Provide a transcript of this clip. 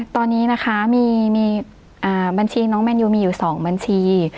ตอนนี้นะคะมีบัญชีน้องแมนยูมีอยู่๒บัญชี